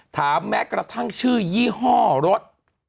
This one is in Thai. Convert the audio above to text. ถามแม็กซ์กระทั่งชื่อยี่ห้อรถ